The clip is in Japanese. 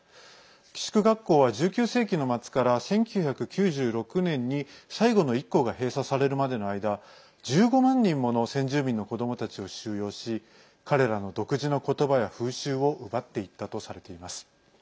寄宿学校は１９世紀の末から１９９６年に最後の１校が閉鎖されるまでの間１５万人もの先住民の子どもたちを収容し彼らの独自のことばや風習を奪っていったとされています。